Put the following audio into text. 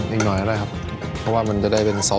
เกลือเท่านั้นแหละครับเกือบลืมอย่างหนึ่งครับ